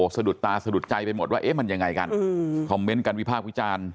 สะดุดตาสะดุดใจไปหมดว่าเอ๊ะมันยังไงกันคอมเมนต์กันวิพากษ์วิจารณ์